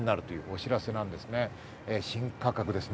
新価格ですね。